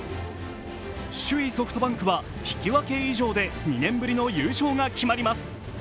首位・ソフトバンクは引き分け以上で２年ぶりの優勝が決まります。